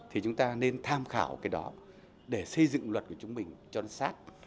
thì chúng ta nên tham khảo cái đó để xây dựng luật của chúng mình cho nó sát